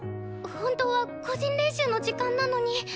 ほんとは個人練習の時間なのに。